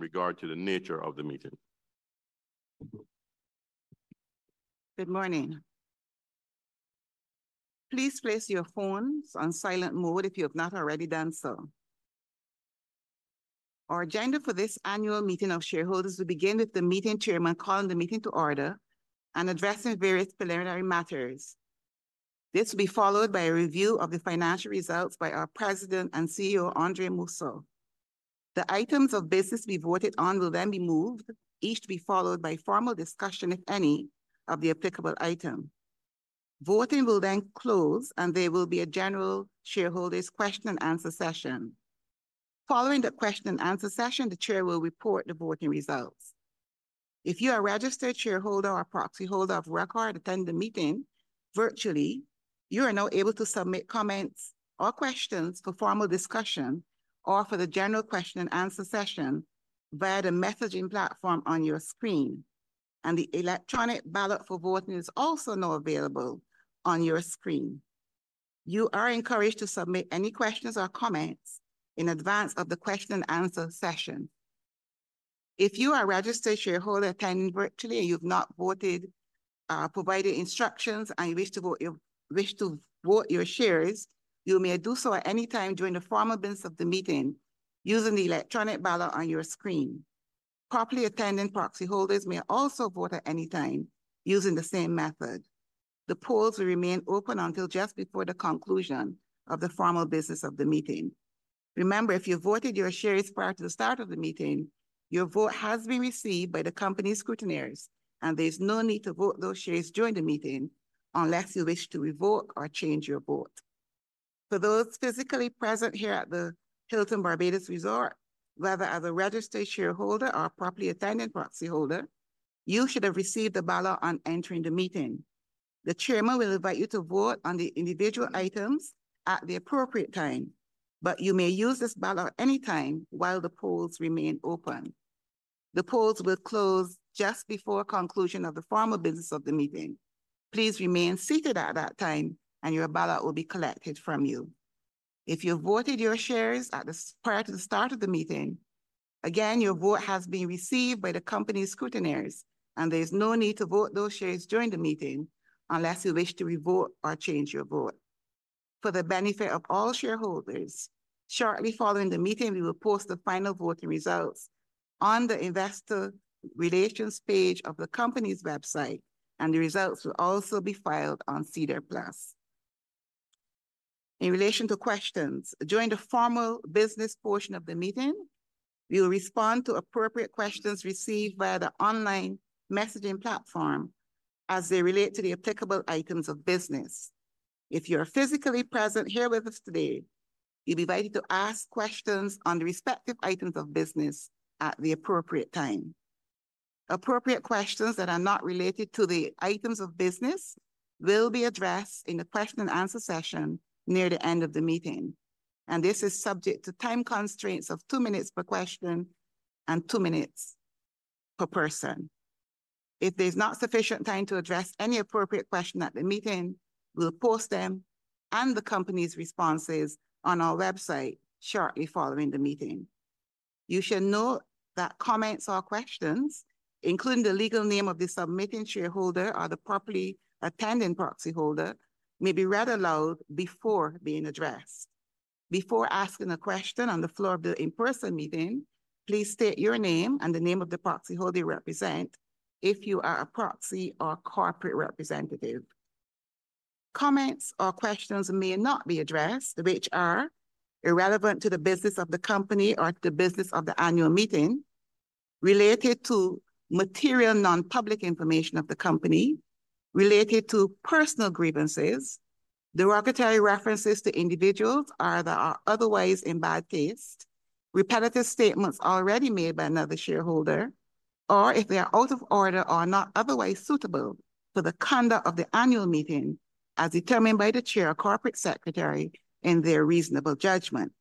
Regarding the nature of the meeting. Good morning. Please place your phones on silent mode if you have not already done so. Our agenda for this annual meeting of shareholders will begin with the meeting chairman calling the meeting to order and addressing various preliminary matters. This will be followed by a review of the financial results by our President and CEO, Andre Mousseau. The items of business we voted on will then be moved, each to be followed by formal discussion, if any, of the applicable item. Voting will then close, and there will be a general shareholders' question-and-answer session. Following the question-and-answer session, the chair will report the voting results. If you are a registered shareholder or proxy holder of record attending the meeting virtually, you are now able to submit comments or questions for formal discussion or for the general question-and-answer session via the messaging platform on your screen. And the electronic ballot for voting is also now available on your screen. You are encouraged to submit any questions or comments in advance of the question-and-answer session. If you are a registered shareholder attending virtually and you've not voted, provided instructions, and you wish to vote your shares, you may do so at any time during the formal business of the meeting using the electronic ballot on your screen. Properly attending proxy holders may also vote at any time using the same method. The polls will remain open until just before the conclusion of the formal business of the meeting. Remember, if you voted your shares prior to the start of the meeting, your vote has been received by the company scrutineers, and there's no need to vote those shares during the meeting unless you wish to revoke or change your vote. For those physically present here at the Hilton Barbados Resort, whether as a registered shareholder or properly attending proxy holder, you should have received the ballot on entering the meeting. The chairman will invite you to vote on the individual items at the appropriate time, but you may use this ballot any time while the polls remain open. The polls will close just before the conclusion of the formal business of the meeting. Please remain seated at that time, and your ballot will be collected from you. If you voted your shares prior to the start of the meeting, again, your vote has been received by the company scrutineers, and there's no need to vote those shares during the meeting unless you wish to revoke or change your vote. For the benefit of all shareholders, shortly following the meeting, we will post the final voting results on the investor relations page of the company's website, and the results will also be filed on SEDAR+. In relation to questions, during the formal business portion of the meeting, we will respond to appropriate questions received via the online messaging platform as they relate to the applicable items of business. If you are physically present here with us today, you'll be invited to ask questions on the respective items of business at the appropriate time. Appropriate questions that are not related to the items of business will be addressed in the question-and-answer session near the end of the meeting, and this is subject to time constraints of two minutes per question and two minutes per person. If there's not sufficient time to address any appropriate question at the meeting, we'll post them and the company's responses on our website shortly following the meeting. You should note that comments or questions, including the legal name of the submitting shareholder or the properly attending proxy holder, may be read aloud before being addressed. Before asking a question on the floor of the in-person meeting, please state your name and the name of the proxy holder you represent if you are a proxy or corporate representative. Comments or questions may not be addressed, which are irrelevant to the business of the company or to the business of the annual meeting, related to material non-public information of the company, related to personal grievances, derogatory references to individuals or that are otherwise in bad taste, repetitive statements already made by another shareholder, or if they are out of order or not otherwise suitable for the conduct of the annual meeting as determined by the chair or corporate secretary in their reasonable judgment.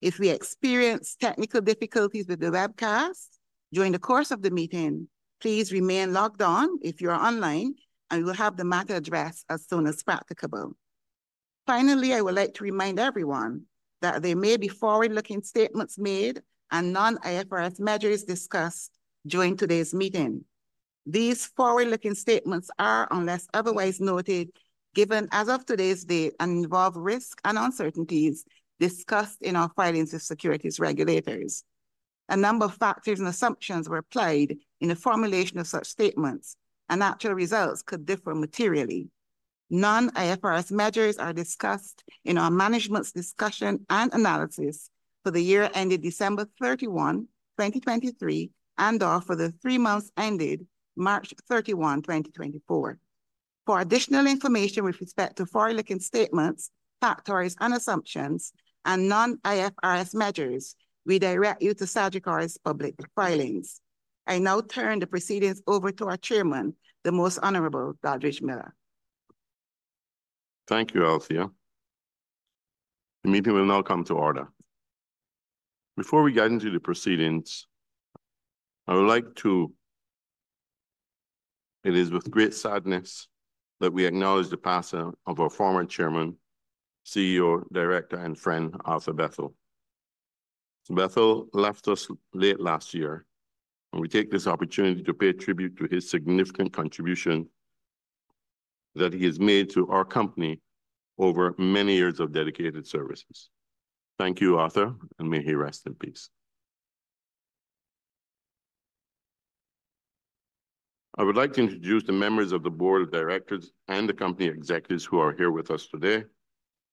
If we experience technical difficulties with the webcast during the course of the meeting, please remain logged on if you are online, and we will have the matter addressed as soon as practicable. Finally, I would like to remind everyone that there may be forward-looking statements made and non-IFRS measures discussed during today's meeting. These forward-looking statements are, unless otherwise noted, given as of today's date, and involve risks and uncertainties discussed in our filings with securities regulators. A number of factors and assumptions were applied in the formulation of such statements, and actual results could differ materially. Non-IFRS measures are discussed in our management's discussion and analysis for the year ended December 31, 2023, and/or for the three months ended March 31, 2024. For additional information with respect to forward-looking statements, factors, and assumptions, and non-IFRS measures, we direct you to Sagicor's public filings. I now turn the proceedings over to our chairman, the Most Honorable Dodridge D. Miller. Thank you, Althea. The meeting will now come to order. Before we get into the proceedings, I would like to, it is with great sadness that we acknowledge the passing of our former chairman, CEO, director, and friend, Arthur Bethell. Bethell left us late last year, and we take this opportunity to pay tribute to his significant contribution that he has made to our company over many years of dedicated services. Thank you, Arthur, and may he rest in peace. I would like to introduce the members of the board of directors and the company executives who are here with us today,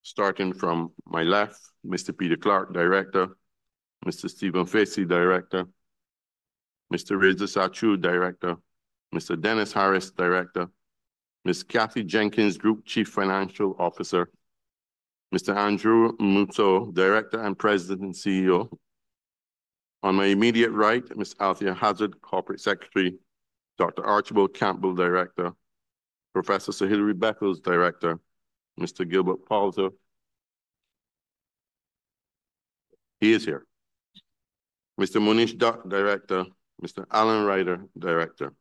starting from my left, Mr. Peter Clarke, Director; Mr. Stephen Facey, Director; Mr. Reza Satchu, Director; Mr. Dennis Harris, Director; Ms. Kathy Jenkins, Group Chief Financial Officer; Mr. Andre Mousseau, Director and President and CEO; on my immediate right, Ms. Althea Hazzard, Corporate Secretary; Dr. Archibald Campbell, Director. Professor Hilary Beckles, Director. Mr. Gilbert Palter. He is here. Mr. Monish Dutt, Director. Mr. Alan Ryder, Director.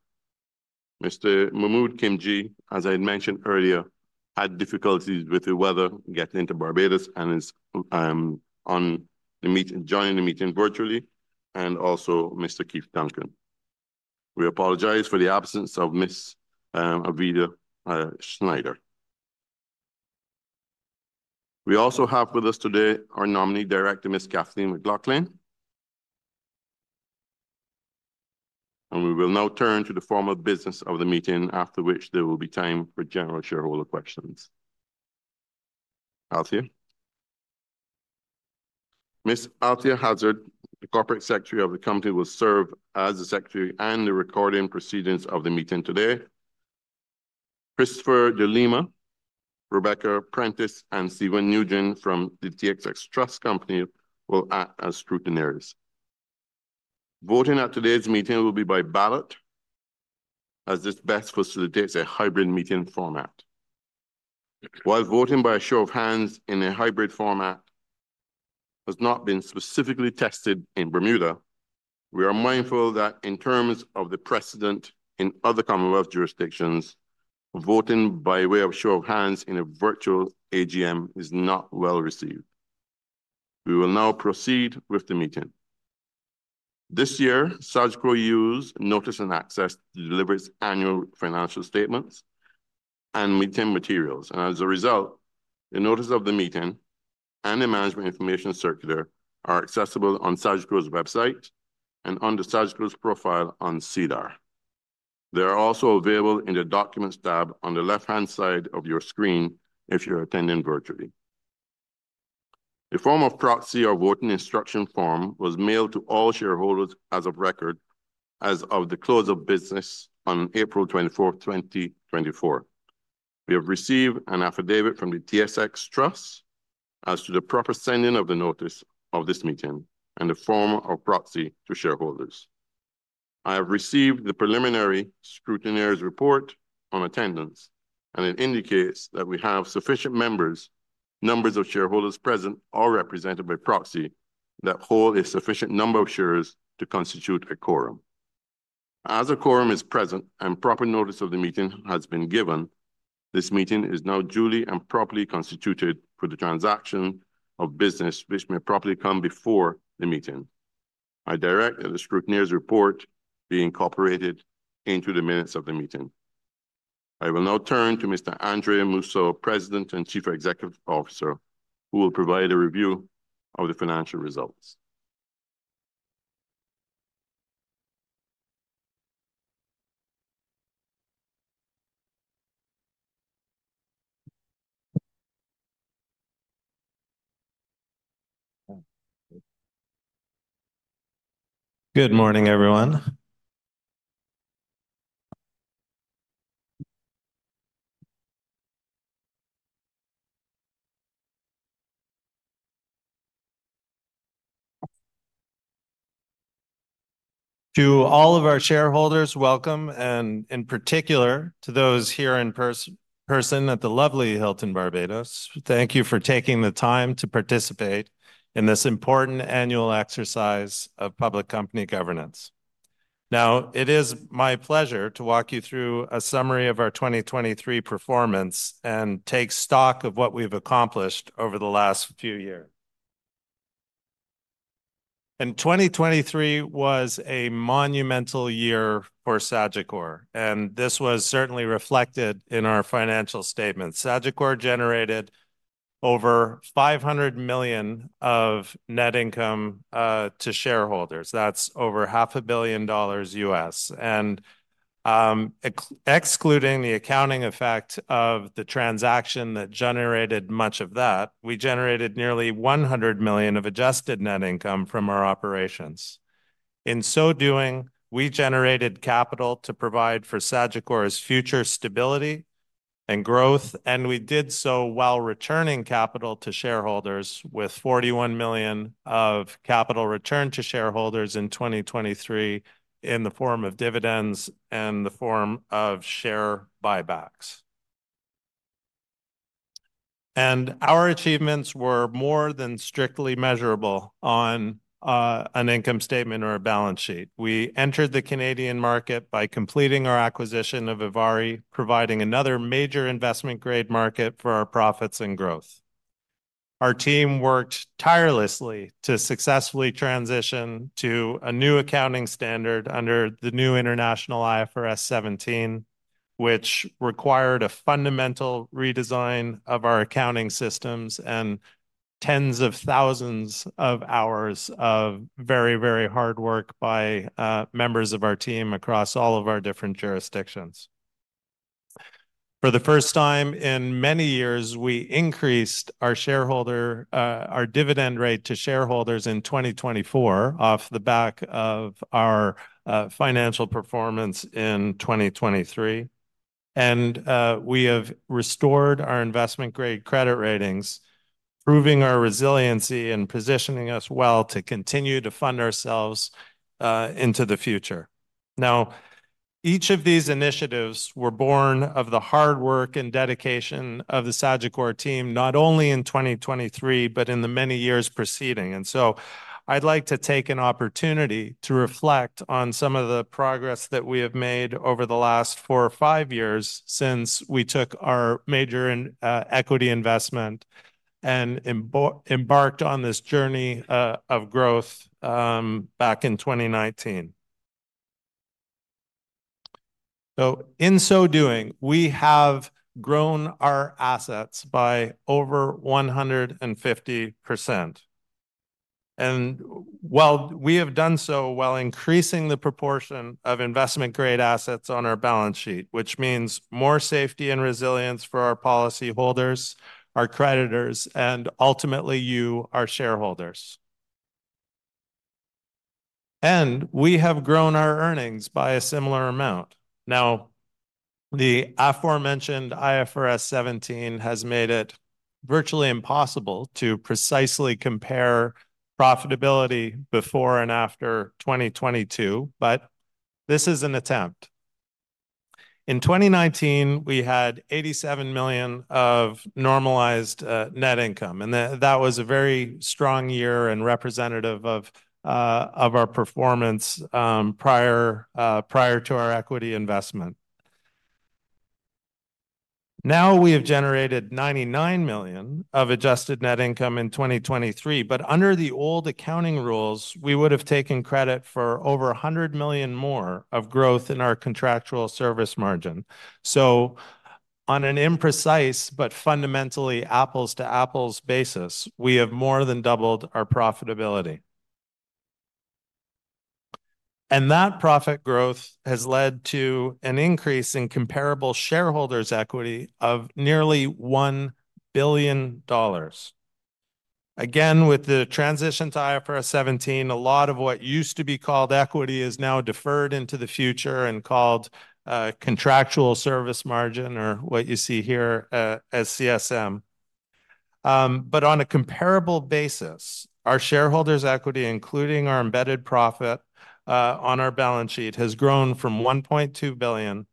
Mr. Mahmood Khimji, as I had mentioned earlier, had difficulties with the weather getting into Barbados and is joining the meeting virtually, and also Mr. Keith Duncan. We apologize for the absence of Ms. Aviva Shneider. We also have with us today our nominee director, Ms. Cathleen McLaughlin. And we will now turn to the formal business of the meeting, after which there will be time for general shareholder questions. Althea. Ms. Althea Hazzard, the Corporate Secretary of the company, will serve as the secretary and the recording proceedings of the meeting today. Christopher De Lima, Rebecca Prentiss, and Steven Nugent from the TSX Trust Company will act as scrutineers. Voting at today's meeting will be by ballot, as this best facilitates a hybrid meeting format. While voting by a show of hands in a hybrid format has not been specifically tested in Bermuda, we are mindful that in terms of the precedent in other Commonwealth jurisdictions, voting by way of show of hands in a virtual AGM is not well received. We will now proceed with the meeting. This year, Sagicor uses notice and access delivers annual financial statements and meeting materials. As a result, the notice of the meeting and the management information circular are accessible on Sagicor's website and under Sagicor's profile on SEDAR+. They are also available in the documents tab on the left-hand side of your screen if you're attending virtually. A form of proxy or voting instruction form was mailed to all shareholders as of record as of the close of business on April 24, 2024. We have received an affidavit from the TSX Trust as to the proper sending of the notice of this meeting and the form of proxy to shareholders. I have received the preliminary scrutineer's report on attendance, and it indicates that we have sufficient members, numbers of shareholders present, all represented by proxy that hold a sufficient number of shares to constitute a quorum. As a quorum is present and proper notice of the meeting has been given, this meeting is now duly and properly constituted for the transaction of business, which may properly come before the meeting. I direct that the scrutineer's report be incorporated into the minutes of the meeting. I will now turn to Mr. Andre Mousseau, President and Chief Executive Officer, who will provide a review of the financial results. Good morning, everyone. To all of our shareholders, welcome, and in particular to those here in person at the lovely Hilton Barbados. Thank you for taking the time to participate in this important annual exercise of public company governance. Now, it is my pleasure to walk you through a summary of our 2023 performance and take stock of what we've accomplished over the last few years. 2023 was a monumental year for Sagicor, and this was certainly reflected in our financial statements. Sagicor generated over $500 million of net income to shareholders. That's over $500 million. Excluding the accounting effect of the transaction that generated much of that, we generated nearly $100 million of adjusted net income from our operations. In so doing, we generated capital to provide for Sagicor's future stability and growth, and we did so while returning capital to shareholders with $41 million of capital returned to shareholders in 2023 in the form of dividends and the form of share buybacks. Our achievements were more than strictly measurable on an income statement or a balance sheet. We entered the Canadian market by completing our acquisition of ivari, providing another major investment-grade market for our profits and growth. Our team worked tirelessly to successfully transition to a new accounting standard under the new international IFRS 17, which required a fundamental redesign of our accounting systems and tens of thousands of hours of very, very hard work by members of our team across all of our different jurisdictions. For the first time in many years, we increased our dividend rate to shareholders in 2024 off the back of our financial performance in 2023. We have restored our investment-grade credit ratings, proving our resiliency and positioning us well to continue to fund ourselves into the future. Now, each of these initiatives were born of the hard work and dedication of the Sagicor team, not only in 2023, but in the many years preceding. So I'd like to take an opportunity to reflect on some of the progress that we have made over the last 4 or 5 years since we took our major equity investment and embarked on this journey of growth back in 2019. In so doing, we have grown our assets by over 150%. And while we have done so while increasing the proportion of investment-grade assets on our balance sheet, which means more safety and resilience for our policyholders, our creditors, and ultimately, you, our shareholders. We have grown our earnings by a similar amount. Now, the aforementioned IFRS 17 has made it virtually impossible to precisely compare profitability before and after 2022, but this is an attempt. In 2019, we had $87 million of normalized net income, and that was a very strong year and representative of our performance prior to our equity investment. Now, we have generated $99 million of adjusted net income in 2023, but under the old accounting rules, we would have taken credit for over $100 million more of growth in our contractual service margin. On an imprecise, but fundamentally apples-to-apples basis, we have more than doubled our profitability. And that profit growth has led to an increase in comparable shareholders' equity of nearly $1 billion. Again, with the transition to IFRS 17, a lot of what used to be called equity is now deferred into the future and called contractual service margin, or what you see here as CSM. But on a comparable basis, our shareholders' equity, including our embedded profit on our balance sheet, has grown from $1.2 billion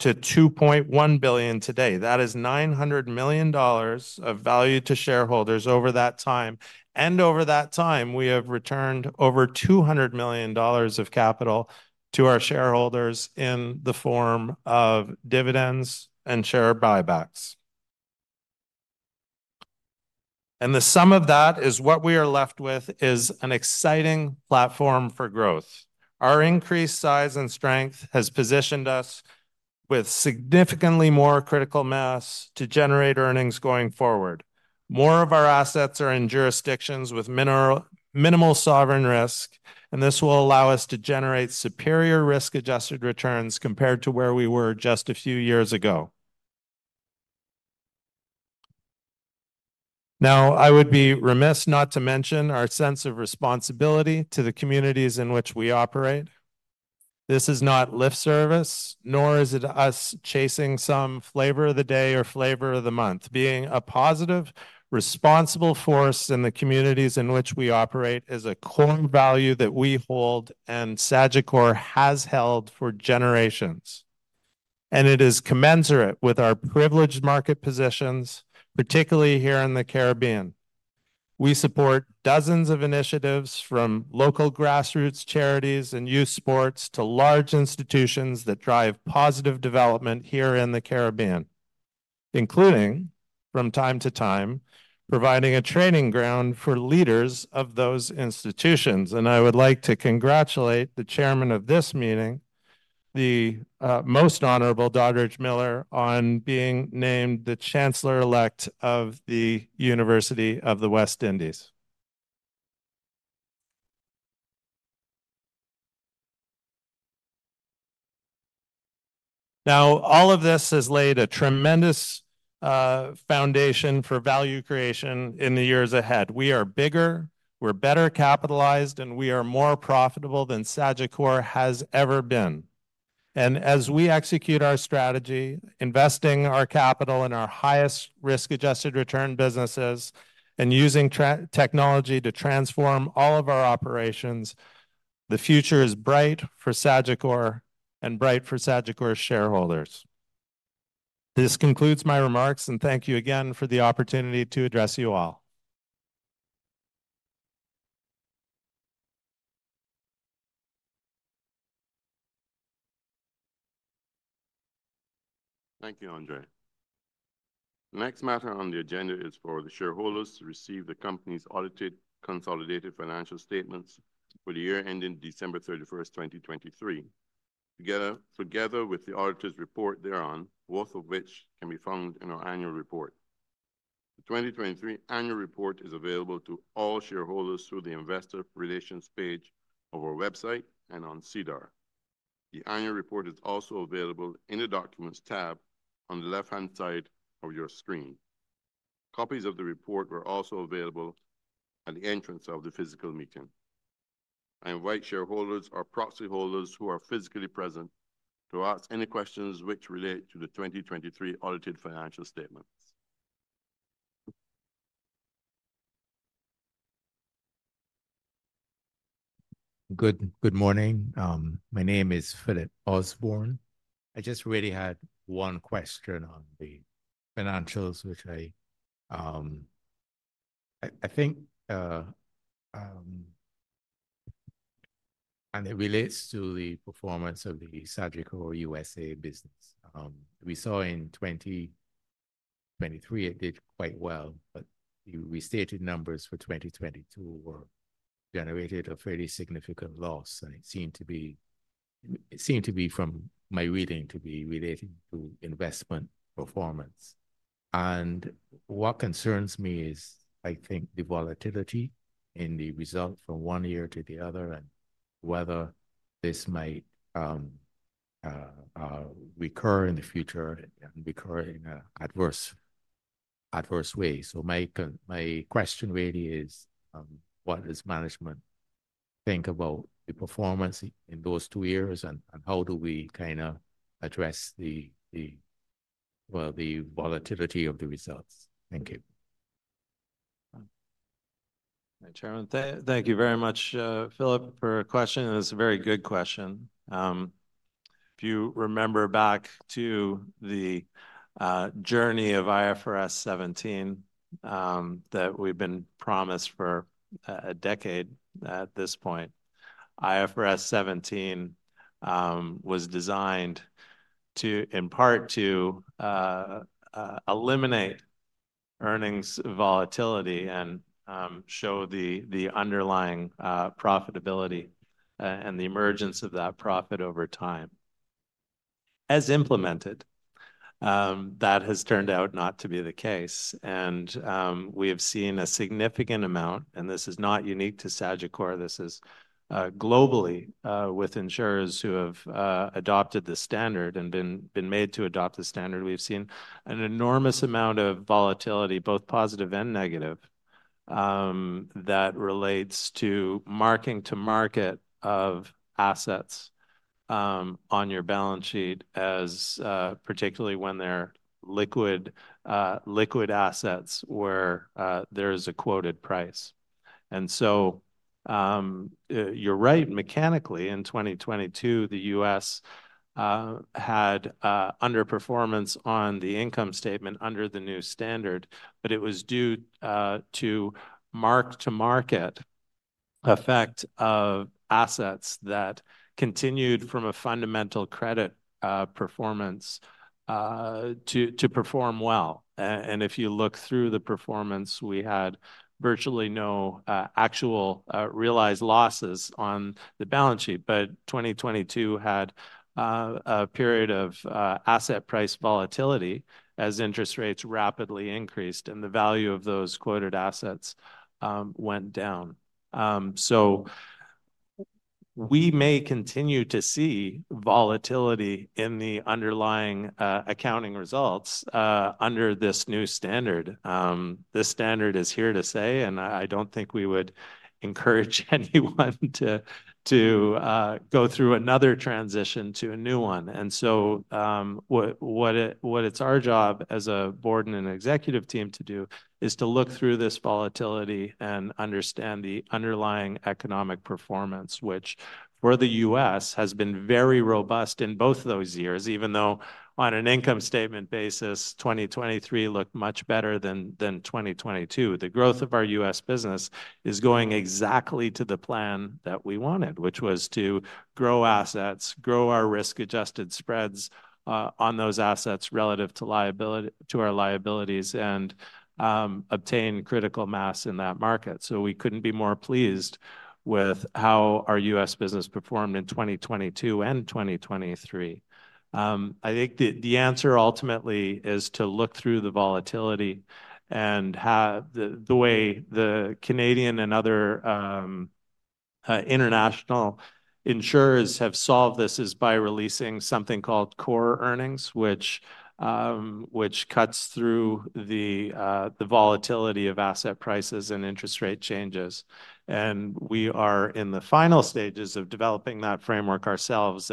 to $2.1 billion today. That is $900 million of value to shareholders over that time. And over that time, we have returned over $200 million of capital to our shareholders in the form of dividends and share buybacks. And the sum of that is what we are left with is an exciting platform for growth. Our increased size and strength has positioned us with significantly more critical mass to generate earnings going forward. More of our assets are in jurisdictions with minimal sovereign risk, and this will allow us to generate superior risk-adjusted returns compared to where we were just a few years ago. Now, I would be remiss not to mention our sense of responsibility to the communities in which we operate. This is not lip service, nor is it us chasing some flavor of the day or flavor of the month. Being a positive, responsible force in the communities in which we operate is a core value that we hold and Sagicor has held for generations. It is commensurate with our privileged market positions, particularly here in the Caribbean. We support dozens of initiatives from local grassroots charities and youth sports to large institutions that drive positive development here in the Caribbean, including, from time to time, providing a training ground for leaders of those institutions. I would like to congratulate the Chairman of this meeting, the most honorable Dodridge Miller, on being named the Chancellor-Elect of the University of the West Indies. Now, all of this has laid a tremendous foundation for value creation in the years ahead. We are bigger, we're better capitalized, and we are more profitable than Sagicor has ever been. And as we execute our strategy, investing our capital in our highest risk-adjusted return businesses, and using technology to transform all of our operations, the future is bright for Sagicor and bright for Sagicor's shareholders. This concludes my remarks, and thank you again for the opportunity to address you all. Thank you, Andre. The next matter on the agenda is for the shareholders to receive the company's audited consolidated financial statements for the year ending December 31, 2023, together with the auditor's report thereon, both of which can be found in our annual report. The 2023 annual report is available to all shareholders through the investor relations page of our website and on SEDAR+. The annual report is also available in the documents tab on the left-hand side of your screen. Copies of the report are also available at the entrance of the physical meeting. I invite shareholders or proxy holders who are physically present to ask any questions which relate to the 2023 audited financial statements. Good morning. My name is Philip Osborne. I just really had one question on the financials, which I think, and it relates to the performance of the Sagicor USA business. We saw in 2023, it did quite well, but the restated numbers for 2022 were generated a fairly significant loss, and it seemed to be, from my reading, to be related to investment performance. And what concerns me is, I think, the volatility in the result from one year to the other and whether this might recur in the future and recur in an adverse way. So my question really is, what does management think about the performance in those two years and how do we kind of address the, well, the volatility of the results? Thank you. Thank you very much, Philip, for a question. It's a very good question. If you remember back to the journey of IFRS 17 that we've been promised for a decade at this point, IFRS 17 was designed in part to eliminate earnings volatility and show the underlying profitability and the emergence of that profit over time. As implemented, that has turned out not to be the case. And we have seen a significant amount, and this is not unique to Sagicor. This is globally with insurers who have adopted the standard and been made to adopt the standard. We've seen an enormous amount of volatility, both positive and negative, that relates to marking to market of assets on your balance sheet, particularly when they're liquid assets where there is a quoted price. And so you're right, mechanically, in 2022, the U.S. had underperformance on the income statement under the new standard, but it was due to mark-to-market effect of assets that continued from a fundamental credit performance to perform well. If you look through the performance, we had virtually no actual realized losses on the balance sheet, but 2022 had a period of asset price volatility as interest rates rapidly increased and the value of those quoted assets went down. We may continue to see volatility in the underlying accounting results under this new standard. This standard is here to stay, and I don't think we would encourage anyone to go through another transition to a new one. What it's our job as a board and an executive team to do is to look through this volatility and understand the underlying economic performance, which for the U.S. has been very robust in both those years, even though on an income statement basis, 2023 looked much better than 2022. The growth of our U.S. business is going exactly to the plan that we wanted, which was to grow assets, grow our risk-adjusted spreads on those assets relative to our liabilities and obtain critical mass in that market. So we couldn't be more pleased with how our U.S. business performed in 2022 and 2023. I think the answer ultimately is to look through the volatility and the way the Canadian and other international insurers have solved this is by releasing something called Core Earnings, which cuts through the volatility of asset prices and interest rate changes. We are in the final stages of developing that framework ourselves.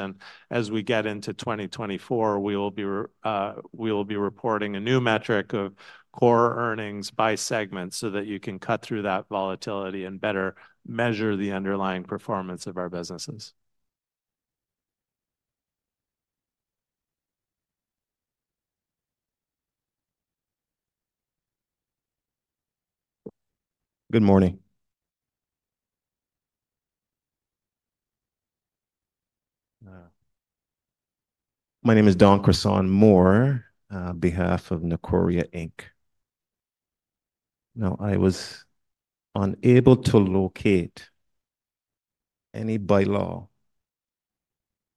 As we get into 2024, we will be reporting a new metric of core earnings by segment so that you can cut through that volatility and better measure the underlying performance of our businesses. Good morning. My name is Don Carson Moore on behalf of Necoria Inc. Now, I was unable to locate any bylaw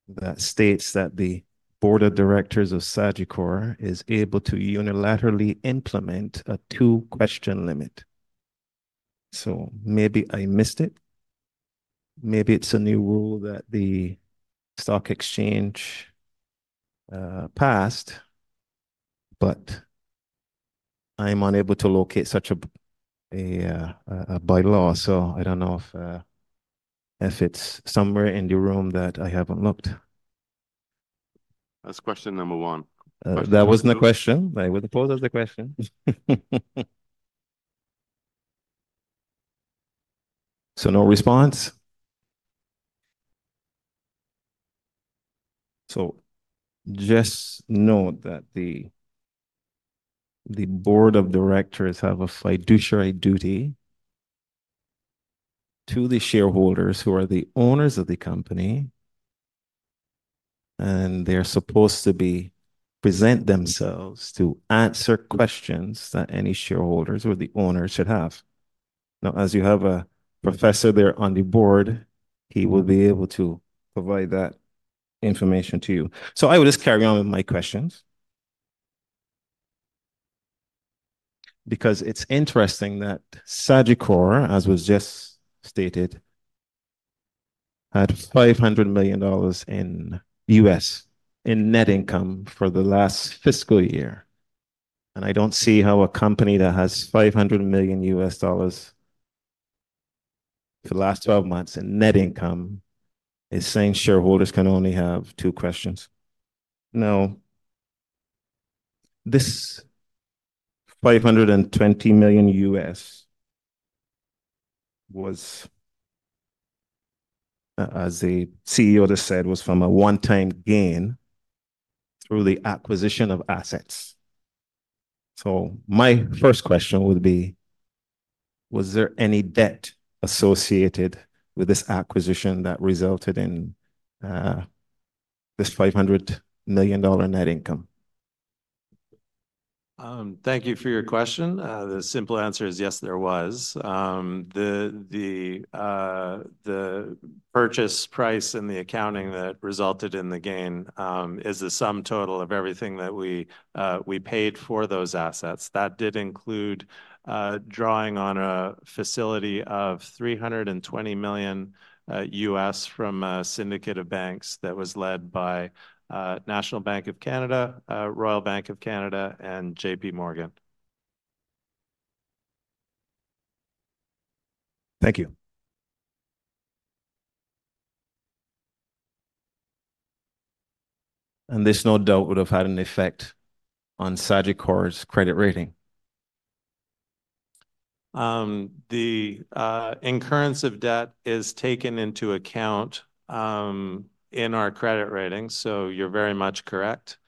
that states that the Board of Directors of Sagicor is able to unilaterally implement a two-question limit. So maybe I missed it. Maybe it's a new rule that the stock exchange passed, but I'm unable to locate such a bylaw. So I don't know if it's somewhere in the room that I haven't looked. That's question number one. That wasn't a question. I would have posed as a question. No response. Just note that the Board of Directors have a fiduciary duty to the shareholders who are the owners of the company, and they're supposed to present themselves to answer questions that any shareholders or the owners should have. Now, as you have a professor there on the board, he will be able to provide that information to you. I will just carry on with my questions because it's interesting that Sagicor, as was just stated, had $500 million in U.S. net income for the last fiscal year. And I don't see how a company that has $500 million U.S. dollars for the last 12 months in net income is saying shareholders can only have two questions. Now, this $520 million U.S. Was, as the CEO just said, was from a one-time gain through the acquisition of assets. So my first question would be, was there any debt associated with this acquisition that resulted in this $500 million net income? Thank you for your question. The simple answer is yes, there was. The purchase price and the accounting that resulted in the gain is the sum total of everything that we paid for those assets. That did include drawing on a facility of $320 million U.S. from a syndicate of banks that was led by National Bank of Canada, Royal Bank of Canada, and J.P. Morgan. Thank you. This no doubt would have had an effect on Sagicor's credit rating. The incurrence of debt is taken into account in our credit rating, so you're very much correct.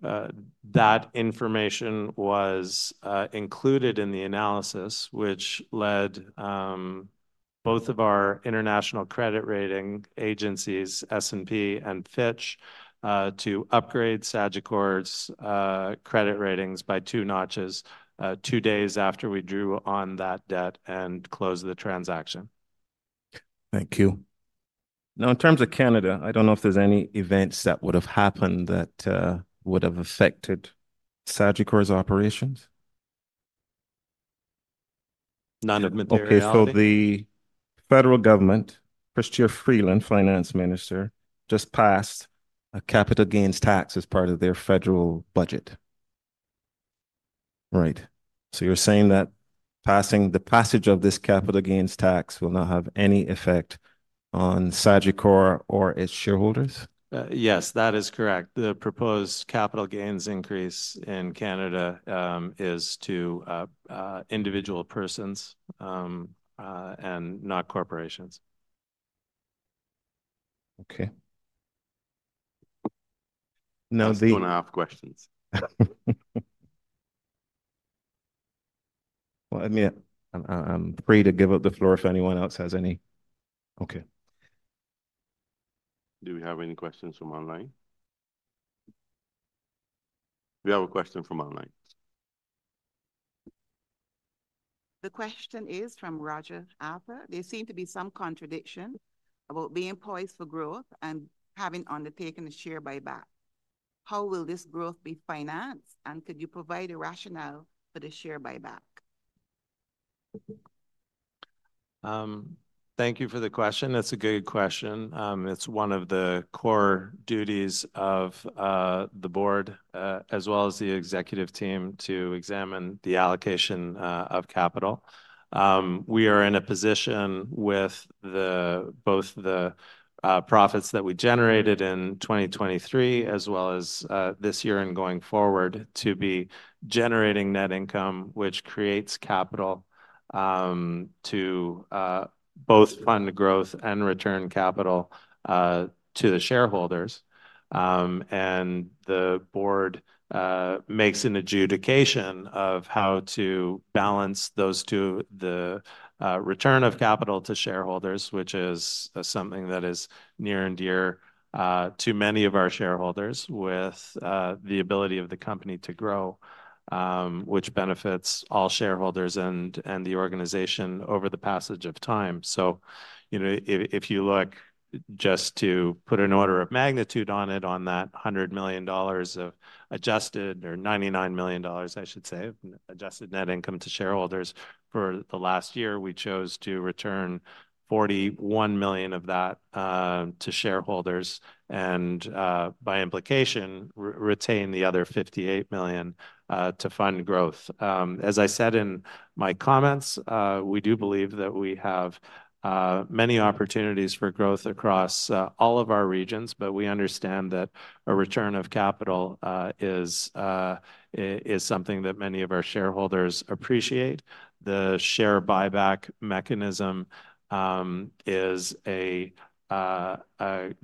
That information was included in the analysis, which led both of our international credit rating agencies, S&P and Fitch, to upgrade Sagicor's credit ratings by two notches two days after we drew on that debt and closed the transaction. Thank you. Now, in terms of Canada, I don't know if there's any events that would have happened that would have affected Sagicor's operations? None of material events. Okay. So the federal government, Chrystia Freeland, Finance Minister, just passed a capital gains tax as part of their federal budget. Right. So you're saying that passing the passage of this capital gains tax will not have any effect on Sagicor or its shareholders? Yes, that is correct. The proposed capital gains increase in Canada is to individual persons and not corporations. Okay. Now the. Just want to ask questions. Well, I'm free to give up the floor if anyone else has any. Okay. Do we have any questions from online? We have a question from online. The question is from Roger Arthur. There seem to be some contradiction about being poised for growth and having undertaken a share buyback. How will this growth be financed? And could you provide a rationale for the share buyback? Thank you for the question. That's a good question. It's one of the core duties of the board as well as the executive team to examine the allocation of capital. We are in a position with both the profits that we generated in 2023 as well as this year and going forward to be generating net income, which creates capital to both fund growth and return capital to the shareholders. And the board makes an adjudication of how to balance those two, the return of capital to shareholders, which is something that is near and dear to many of our shareholders with the ability of the company to grow, which benefits all shareholders and the organization over the passage of time. So if you look just to put an order of magnitude on it, on that $100 million of adjusted or $99 million, I should say, adjusted net income to shareholders for the last year, we chose to return $41 million of that to shareholders and by implication, retain the other $58 million to fund growth. As I said in my comments, we do believe that we have many opportunities for growth across all of our regions, but we understand that a return of capital is something that many of our shareholders appreciate. The share buyback mechanism is a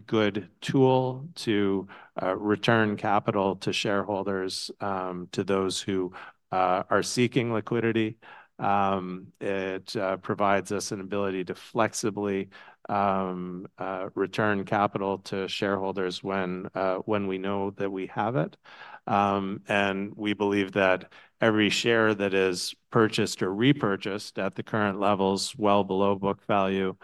good tool to return capital to shareholders, to those who are seeking liquidity. It provides us an ability to flexibly return capital to shareholders when we know that we have it. We believe that every share that is purchased or repurchased at the current levels well below book value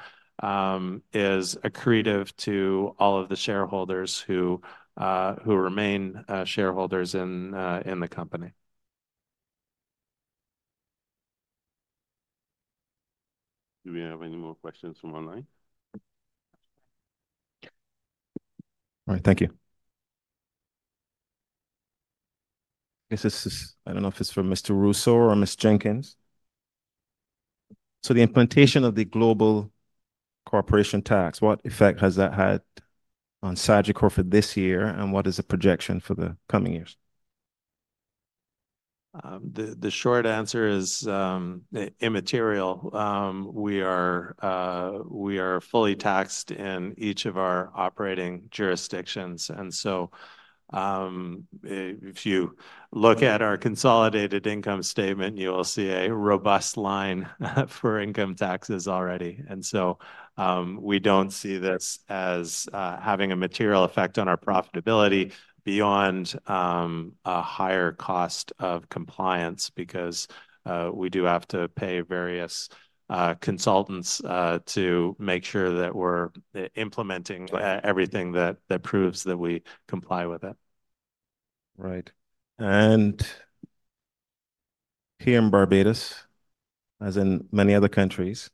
is accretive to all of the shareholders who remain shareholders in the company. Do we have any more questions from online? All right. Thank you. I guess this is, I don't know if it's for Mr. Russo or Ms. Jenkins. So the implementation of the global corporation tax, what effect has that had on Sagicor for this year? And what is the projection for the coming years? The short answer is immaterial. We are fully taxed in each of our operating jurisdictions. And so if you look at our consolidated income statement, you will see a robust line for income taxes already. And so we don't see this as having a material effect on our profitability beyond a higher cost of compliance because we do have to pay various consultants to make sure that we're implementing everything that proves that we comply with it. Right. Here in Barbados, as in many other countries,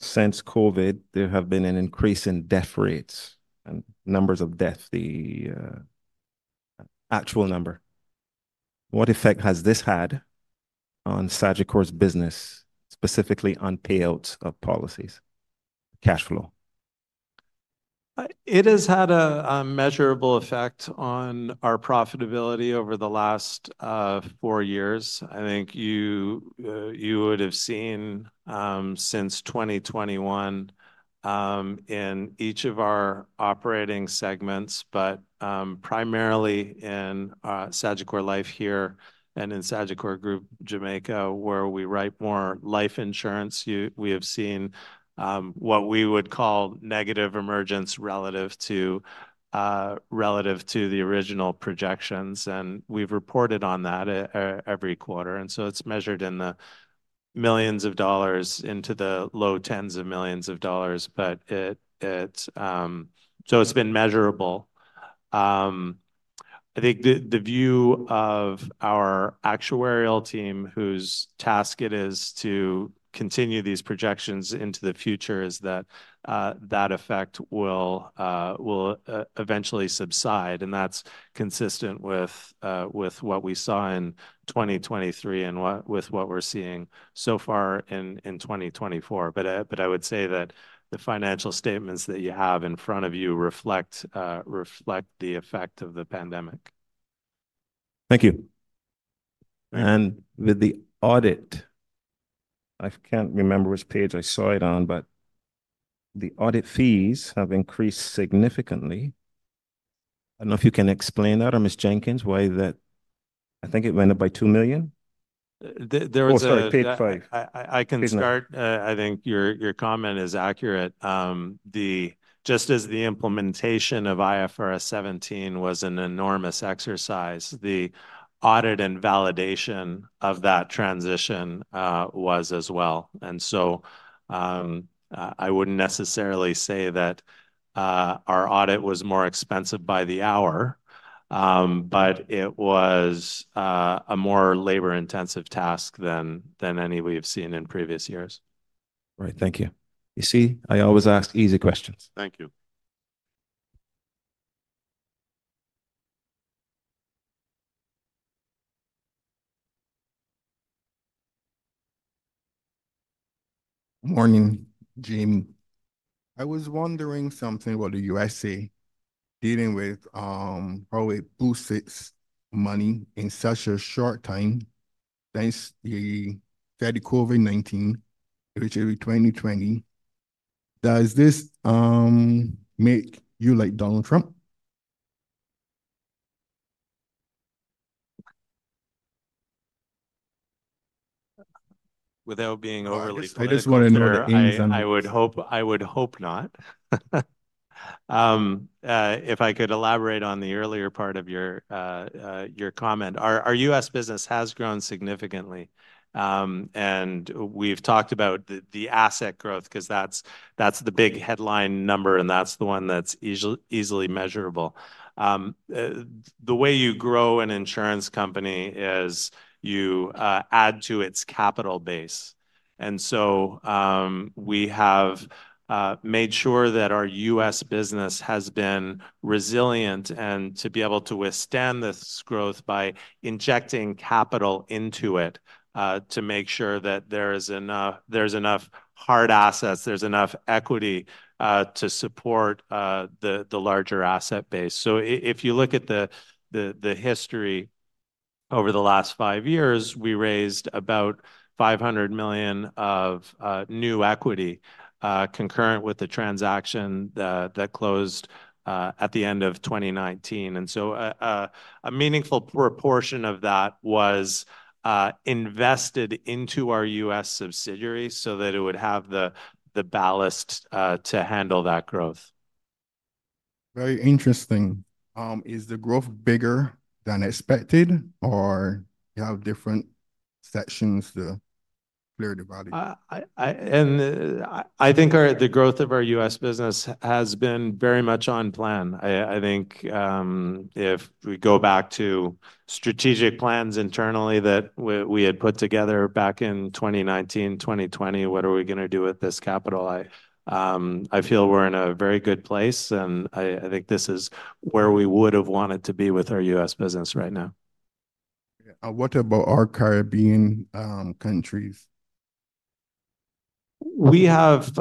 since COVID, there have been an increase in death rates and numbers of death, the actual number. What effect has this had on Sagicor's business, specifically on payouts of policies, cash flow? It has had a measurable effect on our profitability over the last four years. I think you would have seen since 2021 in each of our operating segments, but primarily in Sagicor Life here and in Sagicor Group, Jamaica, where we write more life insurance, we have seen what we would call negative emergence relative to the original projections. We've reported on that every quarter. It's measured in the $ millions into the low tens of $ millions, but so it's been measurable. I think the view of our actuarial team, whose task it is to continue these projections into the future, is that that effect will eventually subside. That's consistent with what we saw in 2023 and with what we're seeing so far in 2024. I would say that the financial statements that you have in front of you reflect the effect of the pandemic. Thank you. With the audit, I can't remember which page I saw it on, but the audit fees have increased significantly. I don't know if you can explain that or Ms. Jenkins, why that I think it went up by $2 million? There was a. Or sorry, page 5. I can start. I think your comment is accurate. Just as the implementation of IFRS 17 was an enormous exercise, the audit and validation of that transition was as well. And so I wouldn't necessarily say that our audit was more expensive by the hour, but it was a more labor-intensive task than any we've seen in previous years. Right. Thank you. You see, I always ask easy questions. Thank you. Good morning, Jim. I was wondering something about the USA dealing with how it boosts its money in such a short time since the COVID-19, which is 2020. Does this make you like Donald Trump? Without being overly political, I would hope not. If I could elaborate on the earlier part of your comment, our U.S. business has grown significantly. We've talked about the asset growth because that's the big headline number, and that's the one that's easily measurable. The way you grow an insurance company is you add to its capital base. So we have made sure that our U.S. business has been resilient and to be able to withstand this growth by injecting capital into it to make sure that there's enough hard assets, there's enough equity to support the larger asset base. So if you look at the history over the last five years, we raised about $500 million of new equity concurrent with the transaction that closed at the end of 2019. So a meaningful proportion of that was invested into our U.S. subsidiaries so that it would have the ballast to handle that growth. Very interesting. Is the growth bigger than expected, or you have different sections to clear the value? I think the growth of our U.S. business has been very much on plan. I think if we go back to strategic plans internally that we had put together back in 2019, 2020, what are we going to do with this capital? I feel we're in a very good place, and I think this is where we would have wanted to be with our U.S. business right now. What about our Caribbean countries? We have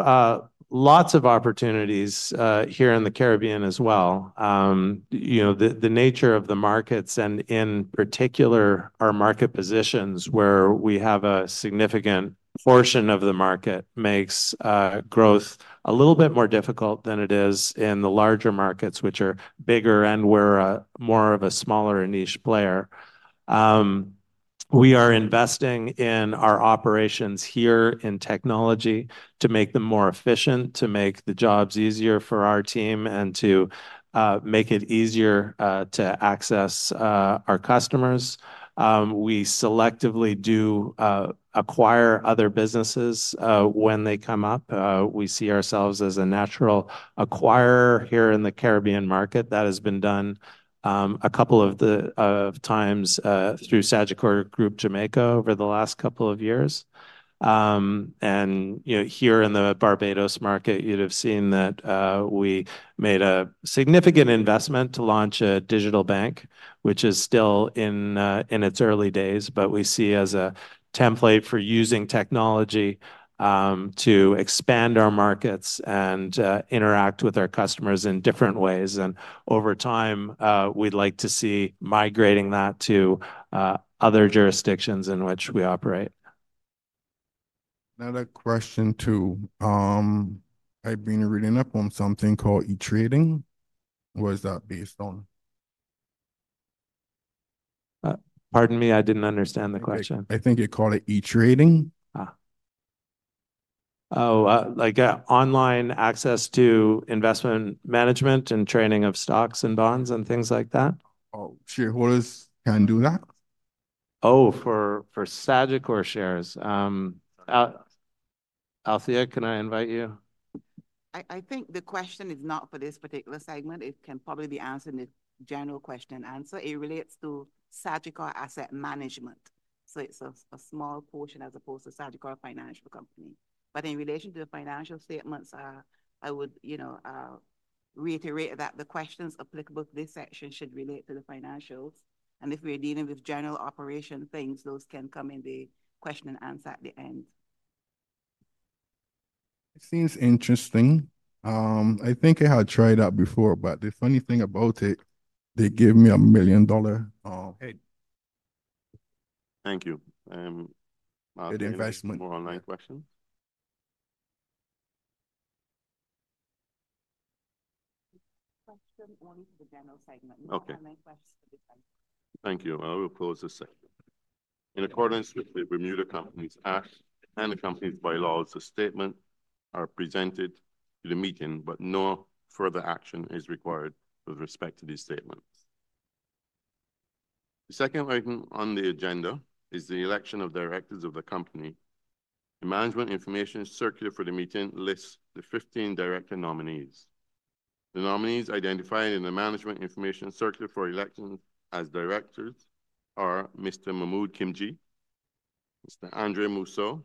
lots of opportunities here in the Caribbean as well. The nature of the markets and in particular our market positions where we have a significant portion of the market makes growth a little bit more difficult than it is in the larger markets, which are bigger and we're more of a smaller niche player. We are investing in our operations here in technology to make them more efficient, to make the jobs easier for our team, and to make it easier to access our customers. We selectively do acquire other businesses when they come up. We see ourselves as a natural acquirer here in the Caribbean market. That has been done a couple of times through Sagicor Group Jamaica over the last couple of years. Here in the Barbados market, you'd have seen that we made a significant investment to launch a digital bank, which is still in its early days, but we see as a template for using technology to expand our markets and interact with our customers in different ways. Over time, we'd like to see migrating that to other jurisdictions in which we operate. Another question too. I've been reading up on something called e-trading. What is that based on? Pardon me, I didn't understand the question. I think you called it e-trading. Oh, like online access to investment management and training of stocks and bonds and things like that? Oh, shareholders can do that? Oh, for Sagicor shares. Althea, can I invite you? I think the question is not for this particular segment. It can probably be answered in a general question and answer. It relates to Sagicor Asset Management. So it's a small portion as opposed to Sagicor Financial Company. But in relation to the financial statements, I would reiterate that the questions applicable to this section should relate to the financials. And if we're dealing with general operation things, those can come in the question and answer at the end. It seems interesting. I think I had tried that before, but the funny thing about it, they gave me $1 million. Thank you. Good investment. More online questions? Question only for the general segment. Okay. Thank you. I will close the session. In accordance with the Bermuda Companies Act and the company's bylaws, the statements are presented to the meeting, but no further action is required with respect to these statements. The second item on the agenda is the election of directors of the company. The management information circular for the meeting lists the 15 director nominees. The nominees identified in the management information circular for elections as directors are Mr. Mahmood Khimji, Mr. Andre Mousseau,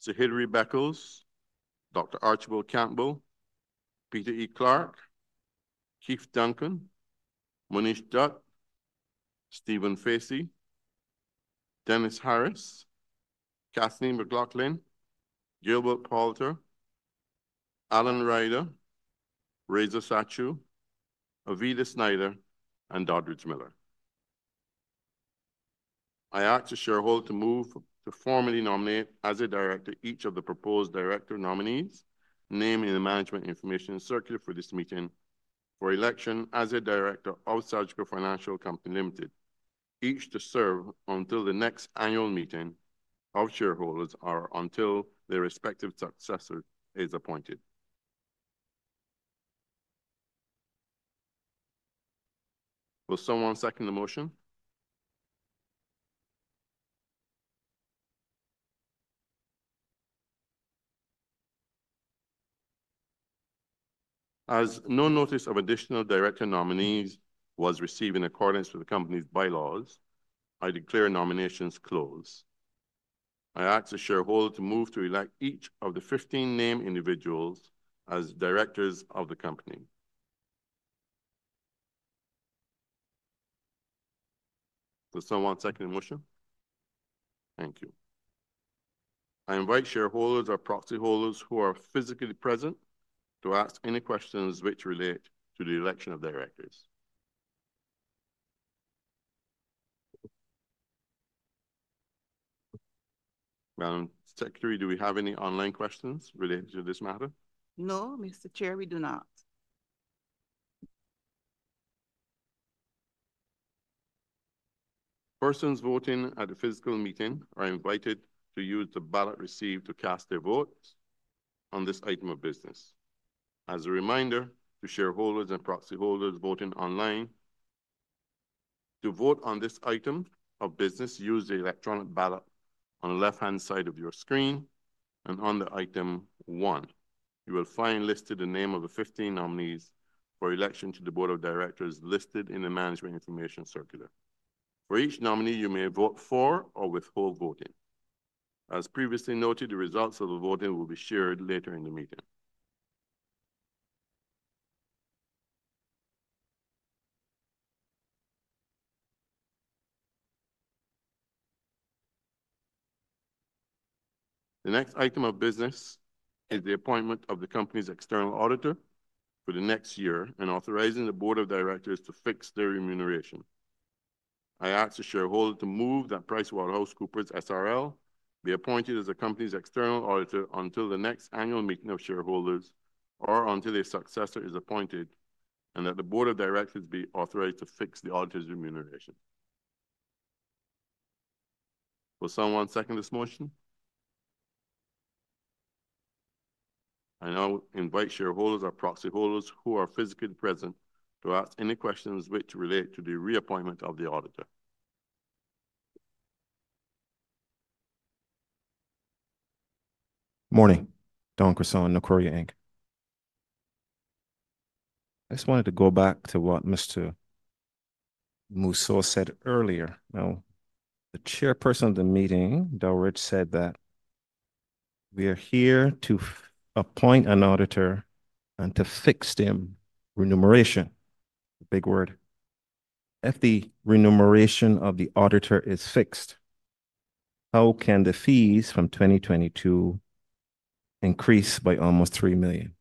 Mr. Hilary Beckles, Dr. Archibald Campbell, Peter E. Clarke, Keith Duncan, Monish Dutt, Stephen B. Facey, Dennis L. Harris, Cathleen McLaughlin, Gilbert S. Palter, Alan Ryder, Reza Satchu, Aviva Shneider, and Dodridge D. Miller. I ask the shareholders to move to formally nominate as a director each of the proposed director nominees, named in the Management Information Circular for this meeting for election as a director of Sagicor Financial Company Ltd., each to serve until the next annual meeting of shareholders or until their respective successor is appointed. Will someone second the motion? As no notice of additional director nominees was received in accordance with the company's bylaws, I declare nominations closed. I ask the shareholders to move to elect each of the 15 named individuals as directors of the company. Will someone second the motion? Thank you. I invite shareholders or proxy holders who are physically present to ask any questions which relate to the election of directors. Madam Secretary, do we have any online questions related to this matter? No, Mr. Chair, we do not. Persons voting at the physical meeting are invited to use the ballot received to cast their vote on this item of business. As a reminder, to shareholders and proxy holders voting online, to vote on this item of business, use the electronic ballot on the left-hand side of your screen and on the item one. You will find listed the name of the 15 nominees for election to the board of directors listed in the Management Information Circular. For each nominee, you may vote for or withhold voting. As previously noted, the results of the voting will be shared later in the meeting. The next item of business is the appointment of the company's external auditor for the next year and authorizing the board of directors to fix their remuneration. I ask the shareholders to move that PricewaterhouseCoopers SRL be appointed as the company's external auditor until the next annual meeting of shareholders or until their successor is appointed and that the board of directors be authorized to fix the auditor's remuneration. Will someone second this motion? I now invite shareholders or proxy holders who are physically present to ask any questions which relate to the reappointment of the auditor. Morning. Don Carson Moore, Necoria Inc. I just wanted to go back to what Mr. Mousseau said earlier. Now, the chairperson of the meeting, Dodridge, said that we are here to appoint an auditor and to fix their remuneration. Big word. If the remuneration of the auditor is fixed, how can the fees from 2022 increase by almost $3 million?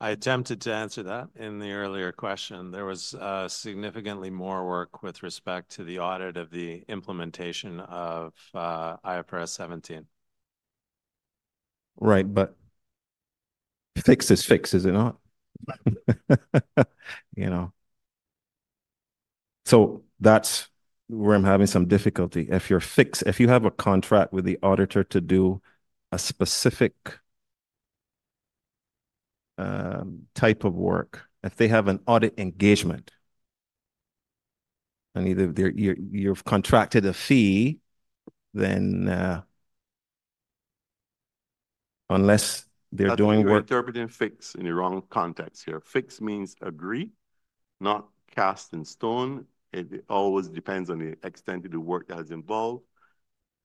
I attempted to answer that in the earlier question. There was significantly more work with respect to the audit of the implementation of IFRS 17. Right, but fix is fix, is it not? You know? So that's where I'm having some difficulty. If you have a contract with the auditor to do a specific type of work, if they have an audit engagement and either you've contracted a fee, then unless they're doing work. I'm interpreting fix in the wrong context here. Fix means agree, not cast in stone. It always depends on the extent of the work that is involved.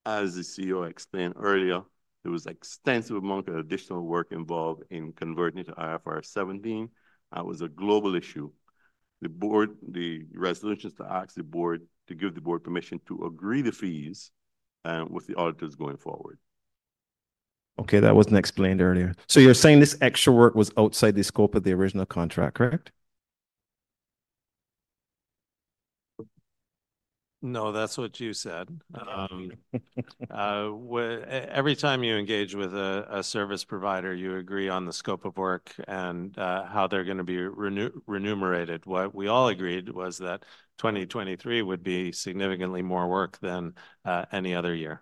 As the CEO explained earlier, there was an extensive amount of additional work involved in converting it to IFRS 17. That was a global issue. The board, the resolutions to ask the board to give the board permission to agree to fees with the auditors going forward. Okay, that wasn't explained earlier. So you're saying this extra work was outside the scope of the original contract, correct? No, that's what you said. Every time you engage with a service provider, you agree on the scope of work and how they're going to be remunerated. What we all agreed was that 2023 would be significantly more work than any other year.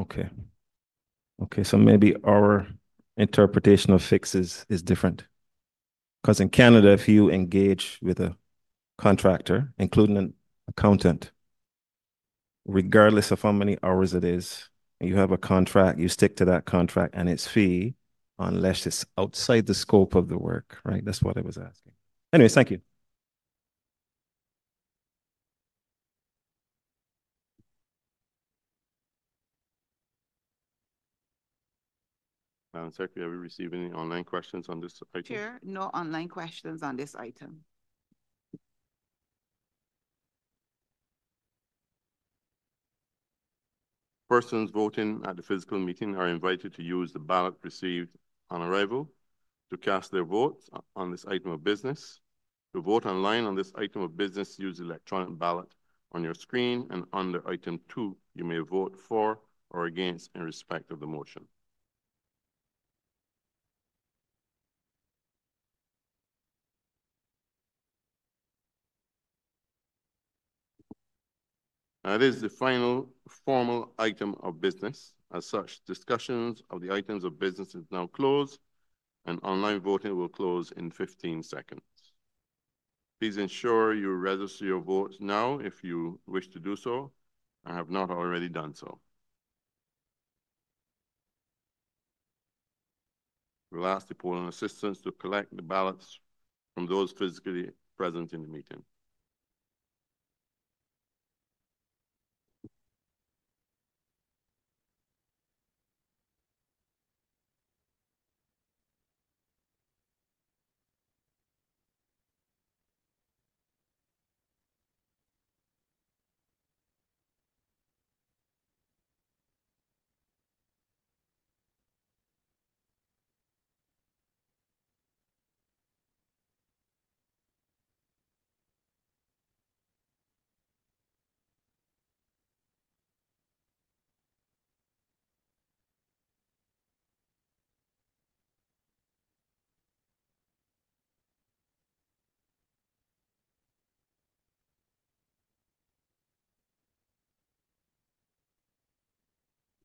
Okay. Okay, so maybe our interpretation of fees is different. Because in Canada, if you engage with a contractor, including an accountant, regardless of how many hours it is, you have a contract, you stick to that contract and its fee unless it's outside the scope of the work, right? That's what I was asking. Anyways, thank you. Madam Secretary, have we received any online questions on this item? Chair, no online questions on this item. Persons voting at the physical meeting are invited to use the ballot received on arrival to cast their votes on this item of business. To vote online on this item of business, use the electronic ballot on your screen and under item two, you may vote for or against in respect of the motion. Now, this is the final formal item of business. As such, discussions of the items of business is now closed and online voting will close in 15 seconds. Please ensure you register your vote now if you wish to do so and have not already done so. We'll ask the polling assistants to collect the ballots from those physically present in the meeting.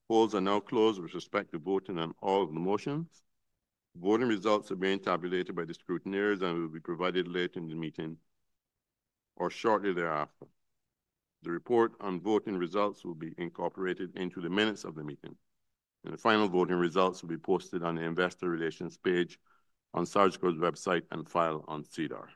Polls are now closed with respect to voting on all of the motions. Voting results are being tabulated by the scrutineers and will be provided later in the meeting or shortly thereafter. The report on voting results will be incorporated into the minutes of the meeting. The final voting results will be posted on the investor relations page on Sagicor's website and filed on SEDAR+.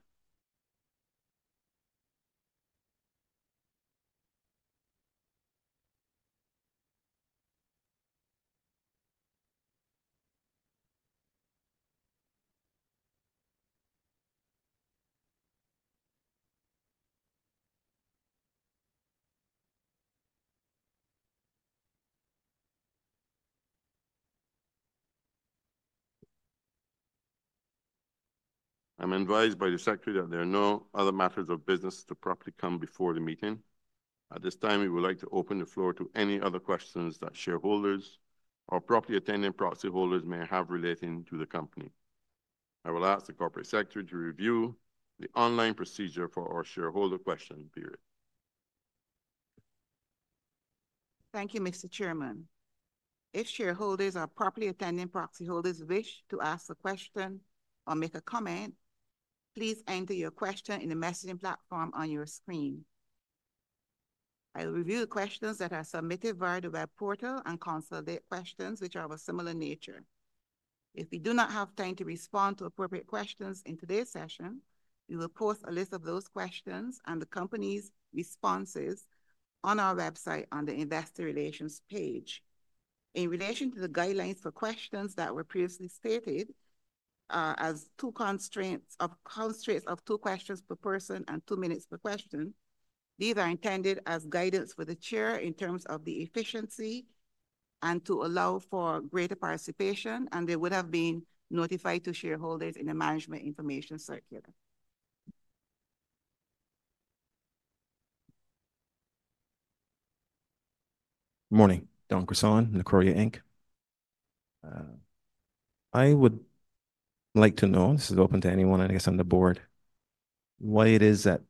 I'm advised by the secretary that there are no other matters of business to properly come before the meeting. At this time, we would like to open the floor to any other questions that shareholders or properly attending proxy holders may have relating to the company. I will ask the corporate secretary to review the online procedure for our shareholder question period. Thank you, Mr. Chairman. If shareholders or properly attending proxy holders wish to ask a question or make a comment, please enter your question in the messaging platform on your screen. I'll review the questions that are submitted via the web portal and consolidate questions which are of a similar nature. If we do not have time to respond to appropriate questions in today's session, we will post a list of those questions and the company's responses on our website on the investor relations page. In relation to the guidelines for questions that were previously stated as two constraints of two questions per person and two minutes per question, these are intended as guidance for the chair in terms of the efficiency and to allow for greater participation, and they would have been notified to shareholders in the Management Information Circular. Morning. Don Carson Moore, Necoria Inc. I would like to know, this is open to anyone, I guess, on the board, why it is that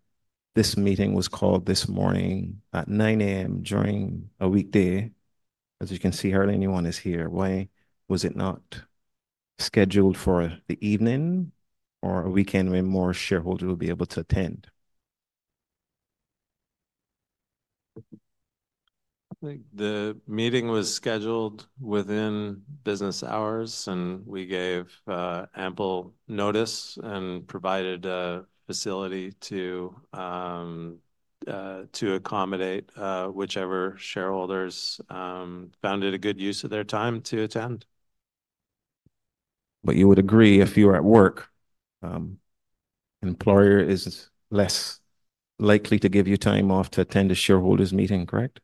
this meeting was called this morning at 9:00 A.M. during a weekday. As you can see, hardly anyone is here. Why was it not scheduled for the evening or a weekend when more shareholders will be able to attend? I think the meeting was scheduled within business hours, and we gave ample notice and provided a facility to accommodate whichever shareholders found it a good use of their time to attend. But you would agree if you were at work, an employer is less likely to give you time off to attend a shareholders' meeting, correct?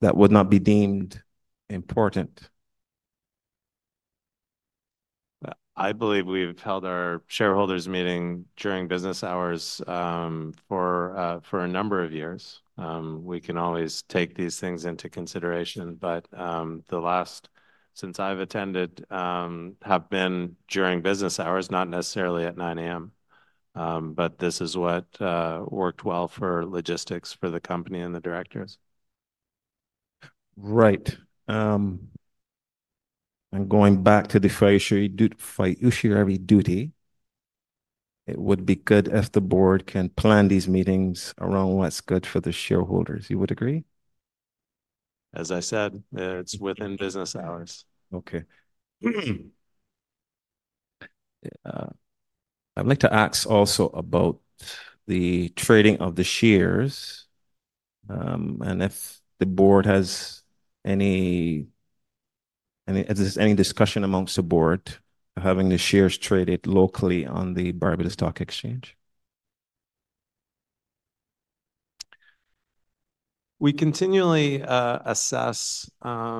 That would not be deemed important. I believe we've held our shareholders' meeting during business hours for a number of years. We can always take these things into consideration, but the last since I've attended have been during business hours, not necessarily at 9:00 A.M., but this is what worked well for logistics for the company and the directors. Right. Going back to the fiduciary duty, it would be good if the board can plan these meetings around what's good for the shareholders. You would agree? As I said, it's within business hours. Okay. I'd like to ask also about the trading of the shares. If the board has any discussion amongst the board of having the shares traded locally on the Barbados Stock Exchange? We continually assess the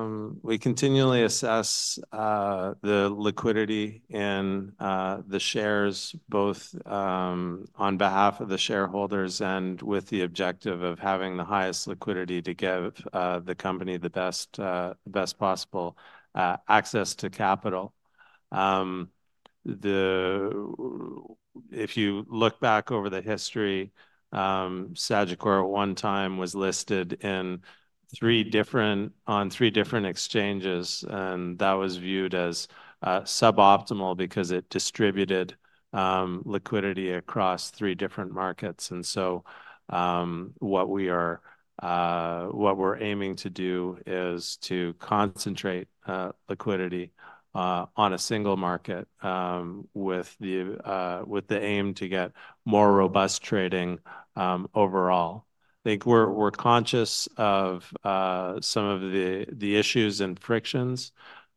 liquidity in the shares, both on behalf of the shareholders and with the objective of having the highest liquidity to give the company the best possible access to capital. If you look back over the history, Sagicor at one time was listed on three different exchanges, and that was viewed as suboptimal because it distributed liquidity across three different markets. So what we're aiming to do is to concentrate liquidity on a single market with the aim to get more robust trading overall. I think we're conscious of some of the issues and frictions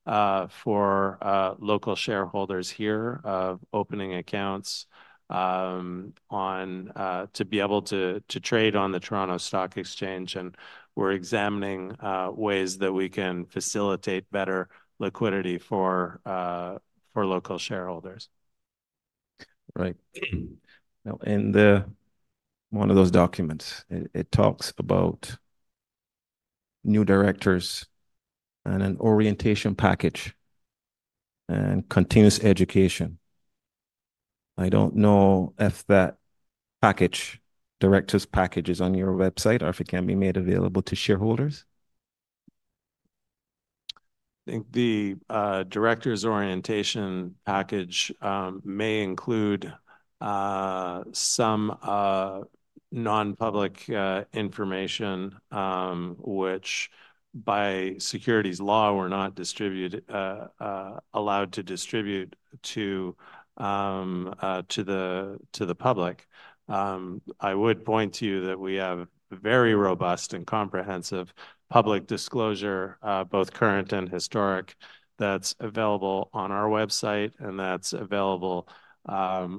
for local shareholders here of opening accounts to be able to trade on the Toronto Stock Exchange, and we're examining ways that we can facilitate better liquidity for local shareholders. Right. Now, in one of those documents, it talks about new directors and an orientation package and continuous education. I don't know if that package, directors' package, is on your website or if it can be made available to shareholders. I think the directors' orientation package may include some non-public information, which by securities law, we're not allowed to distribute to the public. I would point to you that we have very robust and comprehensive public disclosure, both current and historic, that's available on our website and that's available on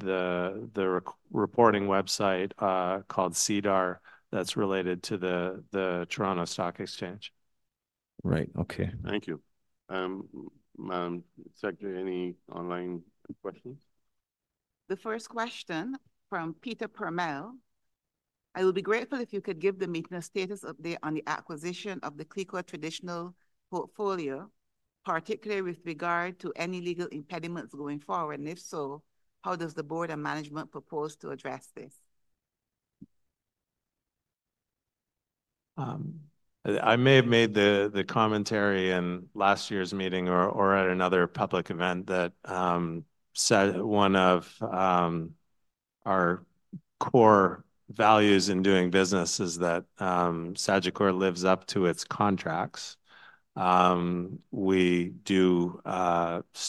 the reporting website called SEDAR that's related to the Toronto Stock Exchange. Right. Okay. Thank you. Madam Secretary, any online questions? The first question from Peter Permell. I would be grateful if you could give the meeting a status update on the acquisition of the CLICO traditional portfolio, particularly with regard to any legal impediments going forward. If so, how does the board and management propose to address this? I may have made the commentary in last year's meeting or at another public event that said one of our core values in doing business is that Sagicor lives up to its contracts. We do.